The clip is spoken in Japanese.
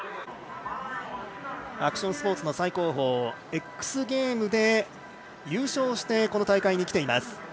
アクションスポーツの最高峰ＸＧＡＭＥＳで優勝してこの大会に来ています。